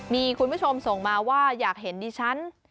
มีคุณผู้ชมส่งมาว่าอยากเห็นดิฉัน